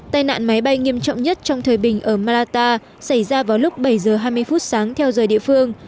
tài nạn máy bay nghiêm trọng nhất trong thời bình ở malata xảy ra vào lúc bảy giờ hai mươi phút sáng theo dời địa phương